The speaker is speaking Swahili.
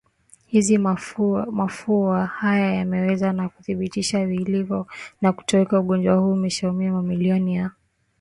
hizi mafua haya yameweza na kudhibitiwa vilivyo na kutoweka Ugonjwa huu umeshaua mamilioni ya